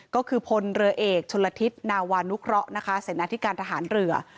ก็คือพลเรือเอกชนละทิศนาวานุคระเศรษฐการทหารเรือ